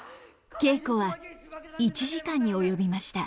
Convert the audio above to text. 稽古は１時間に及びました。